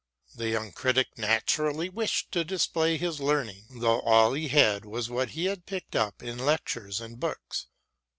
The young critic naturally wished to display his learning, though all he had was what he had picked up in lectures and books.